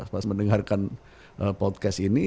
pas mendengarkan podcast ini